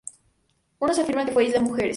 Unos afirman que fue Isla Mujeres.